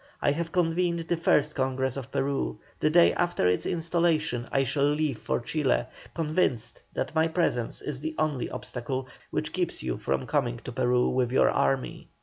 I have convened the first Congress of Peru; the day after its installation I shall leave for Chile, convinced that my presence is the only obstacle which keeps you from coming to Peru with your army.